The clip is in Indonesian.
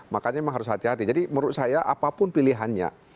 makanya memang harus hati hati jadi menurut saya apapun pilihannya